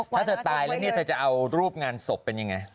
ถ้าเธอตายแล้วนี่จะเอารูปงานศพมันเป็นอย่างไร